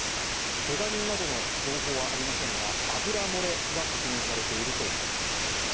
けが人などの情報はありませんが油漏れが確認されているということです。